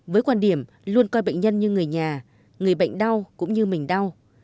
với quan điểm luôn coi bệnh nhân như người nhà người bệnh đau cũng như mình đau